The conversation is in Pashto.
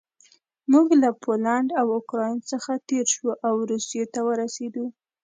موږ له پولنډ او اوکراین څخه تېر شوو او روسیې ته ورسېدو